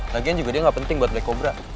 lagian juga dia gak penting buat beli kobra